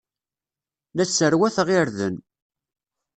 La sserwateɣ irden.